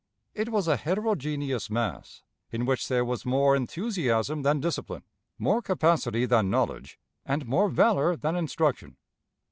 It was a heterogeneous mass, in which there was more enthusiasm than discipline, more capacity than knowledge, and more valor than instruction.